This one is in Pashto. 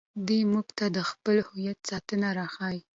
دی موږ ته د خپل هویت ساتنه راښيي.